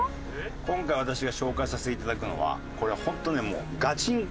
今回私が紹介させて頂くのはこれはホントねもうガチンコ。